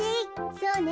そうね。